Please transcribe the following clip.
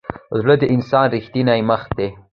زړه د انسان ریښتینی مخ دی.